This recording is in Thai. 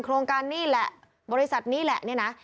โครงการนี่แหละบริษัทนี่แหละ